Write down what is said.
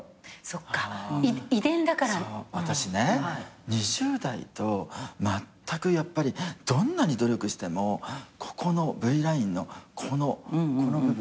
そう私ね２０代とまったくやっぱりどんなに努力してもここのＶラインのこの部分。